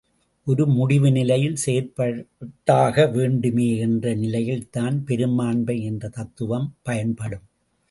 ஒரு முடிவு நிலையில் செயற்பட்டாக வேண்டுமே என்ற நிலையில் தான் பெரும்பான்மை என்ற தத்துவம் பயன்படும்.